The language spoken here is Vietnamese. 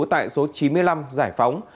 tại số chín mươi năm giải phóng